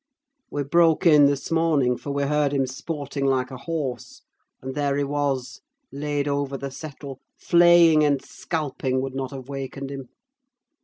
We broke in this morning, for we heard him snorting like a horse; and there he was, laid over the settle: flaying and scalping would not have wakened him.